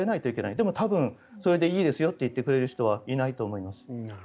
でも多分、それでいいですよと言ってくれる人はいないと思います。